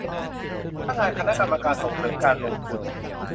สำนักงานคณะกรรมการส่งเสริมการลงทุน